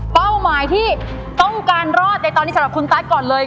เป้าหมายที่ต้องการรอดในตอนนี้สำหรับคุณตั๊กก่อนเลย